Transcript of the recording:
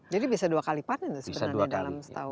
jadi bisa dua kali panen sebenarnya dalam setahun